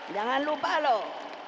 jangan lupa loh